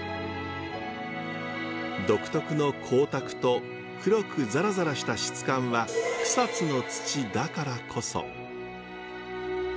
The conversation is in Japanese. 独特の光沢と黒くザラザラした質感は草津の土だからこそ。